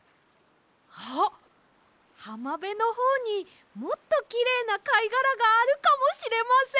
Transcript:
あっはまべのほうにもっときれいなかいがらがあるかもしれません！